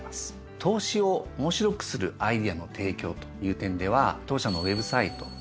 投資を面白くするアイデアの提供という点では当社のウェブサイトメディア